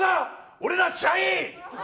俺ら、社員！